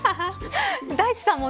大地さんも